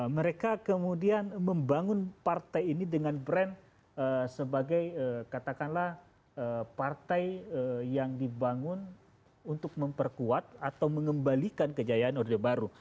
mereka kemudian membangun partai ini dengan brand sebagai katakanlah partai yang dibangun untuk memperkuat atau mengembalikan kejayaan orde baru